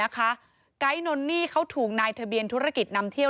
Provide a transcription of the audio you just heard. ไก๊นนนี่เขาถูกนายทะเบียนธุรกิจนำเที่ยว